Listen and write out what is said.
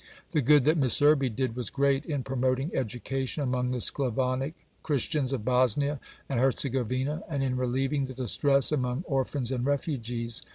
The good that Miss Irby did was great; in promoting education among the Sclavonic Christians of Bosnia and Herzegovina, and in relieving the distress among orphans and refugees.